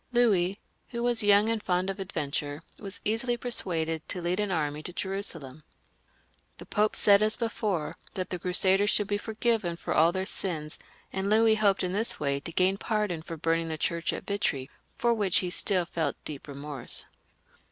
Louis, who was young and fond of adventure, was easily persuaded to lead an army to Jerusalem. The Pope said as before, that the Crusaders should be forgiven for all their sins, and Louis hoped in xvj LOUIS VII. {LE JEUNE), 86 this way to gain pardon for burning the church at Vitry, for which he still felt deep remorse.